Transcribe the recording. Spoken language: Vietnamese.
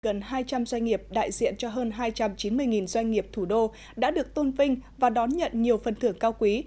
gần hai trăm linh doanh nghiệp đại diện cho hơn hai trăm chín mươi doanh nghiệp thủ đô đã được tôn vinh và đón nhận nhiều phần thưởng cao quý